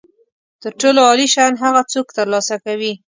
تر ټولو عالي شیان هغه څوک ترلاسه کوي.